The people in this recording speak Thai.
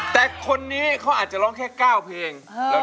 แต่คนนี้เขาอาจจะร้องแค่๙เพลง